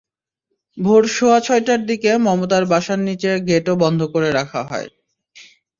ভোর সোয়া ছয়টার দিকে মমতার বাসার নিচে গেটও বন্ধ করে রাখা হয়।